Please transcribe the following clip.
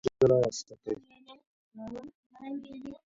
د ماشوم بوتل جلا وساتئ.